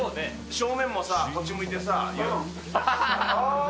正面もさ、こっち向いてさ、あー。